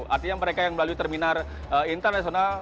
artinya mereka yang melalui terminal internasional